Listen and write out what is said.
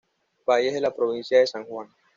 Valles de la provincia de San Juan